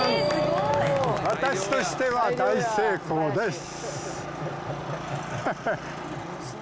私としては大成功です。